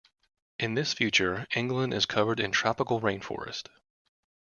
In this future, England is covered in tropical rainforest.